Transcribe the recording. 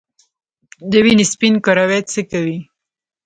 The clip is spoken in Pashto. د وینې سپین کرویات څه کوي؟